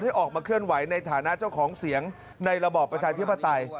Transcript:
ออกมาเคลื่อนไหวในฐานะเจ้าของเสียงในระบอบประชาธิปไตย